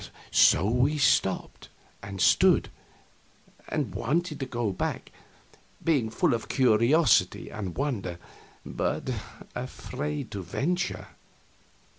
So we stopped and stood, and wanted to go back, being full of curiosity and wonder, but afraid to venture.